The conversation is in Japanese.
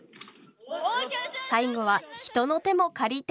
最後は人の手も借りて。